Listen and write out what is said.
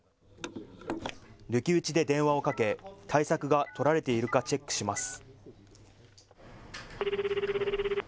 抜き打ちで電話をかけ、対策が取られているかチェックします。